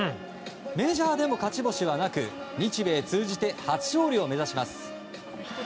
メジャーでも勝ち星はなく日米通じて初勝利を目指します。